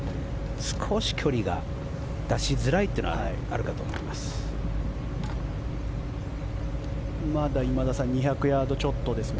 少し距離が出しづらいというのはあるかと思います。